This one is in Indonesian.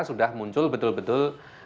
sudah muncul betul betul